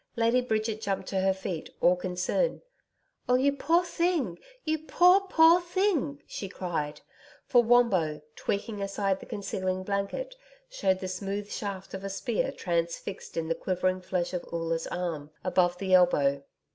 Lady Bridget jumped to her feet, all concern. 'Oh, you poor thing! You poor, poor thing,' she cried. For Wombo, tweaking aside the concealing blanket, showed the smooth shaft of a spear transfixed in the quivering flesh of Oola's arm, above the elbow.